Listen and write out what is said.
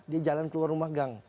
dia jalan keluar rumah gang